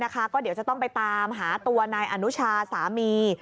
ก็เดี๋ยวจะต้องไปตามหาตัวนายอนุชาสามี